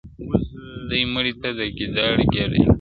دې مړۍ ته د ګیدړ ګېډه جوړيږي!!